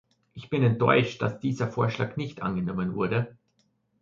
Ich bin enttäuscht, dass dieser Vorschlag nicht angenommen wurde.